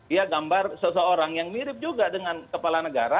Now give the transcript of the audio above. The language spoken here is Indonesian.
dia gambar seseorang yang mirip juga dengan kepala negara